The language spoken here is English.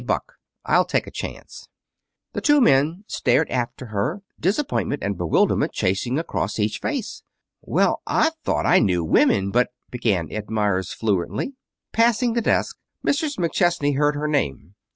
Buck.' I'll take a chance." The two men stared after her, disappointment and bewilderment chasing across each face. "Well, I thought I knew women, but " began Ed Meyers fluently. Passing the desk, Mrs. McChesney heard her name.